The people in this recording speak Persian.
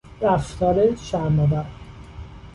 رفتار شرمآور